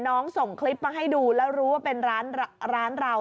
ส่งคลิปมาให้ดูแล้วรู้ว่าเป็นร้านเรา